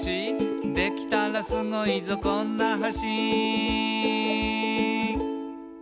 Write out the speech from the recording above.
「できたらスゴいぞこんな橋」